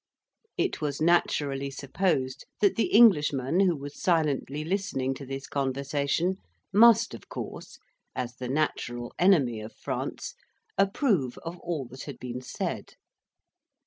It was naturally supposed that the Englishman who was silently listening to this conversation must of course, as the natural enemy of France, approve of all that had been said.